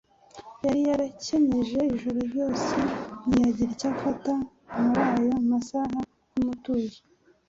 Yari yakesheje ijoro ryose ntiyagira icyo afata. Muri ayo masaha y'umutuzo,